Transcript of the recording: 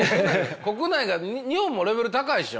国内が日本もレベル高いでしょ？